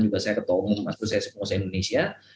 juga saya ketemu maksud saya seorang usai indonesia